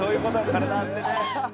体張ってね」